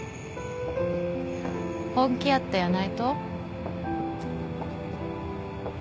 本気やったんやないと？